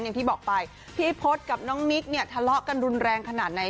อย่างที่บอกไปพี่พศกับน้องมิ๊กเนี่ยทะเลาะกันรุนแรงขนาดไหน